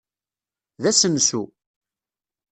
D asensu.